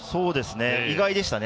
意外でしたね。